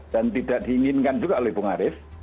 dan tidak diinginkan juga oleh bung arief